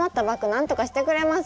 何とかしてくれます？